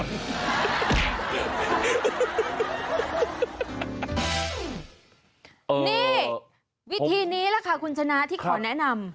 นี่วิธีนี้แหละค่ะคุณชนะที่ขอแนะนำ